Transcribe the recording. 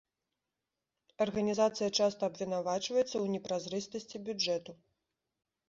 Арганізацыя часта абвінавачваецца ў непразрыстасці бюджэту.